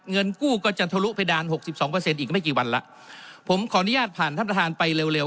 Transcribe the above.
เงินกู้ก็จะทะลุไปดาน๖๒อีกไม่กี่วันละผมขออนุญาตผ่านท่านประธานไปเร็ว